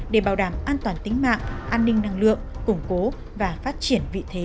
để bảo đảm an toàn tính mạng an ninh năng lượng củng cố và phát triển vị thế